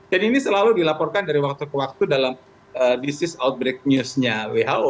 jadi ini selalu dilaporkan dari waktu ke waktu dalam this is outbreak news nya who